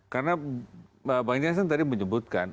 karena bang jensen tadi menyebutkan